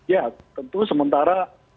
ya tentu sementara